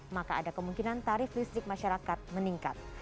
maka ada kemungkinan tarif listrik masyarakat meningkat